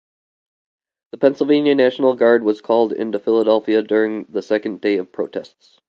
The Pennsylvania National Guard was called into Philadelphia during the second day of protests.